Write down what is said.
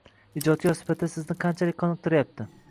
Ijodkor sifatida sizni qanchalik qoniqtiryapti?